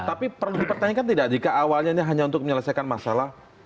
tapi perlu dipertanyakan tidak jika awalnya ini hanya untuk menyelesaikan masalah